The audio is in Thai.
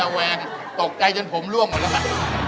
แวงตกใจจนผมล่วงหมดแล้วล่ะ